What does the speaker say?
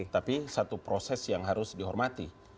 tapi satu proses yang harus dihormati